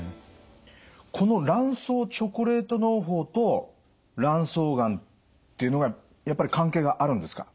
この卵巣チョコレートのう胞と卵巣がんっていうのがやっぱり関係があるんですか？